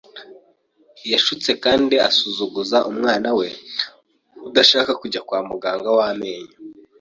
Yashutse kandi azunguza umwana we udashaka kujya kwa muganga w’amenyo.